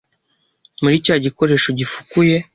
Muri cya gikoresho gifukuye